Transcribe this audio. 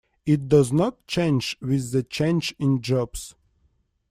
It does not change with the change in jobs.